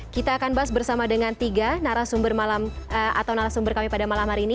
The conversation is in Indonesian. kita akan bahas bersama dengan tiga narasumber atau narasumber kami pada malam hari ini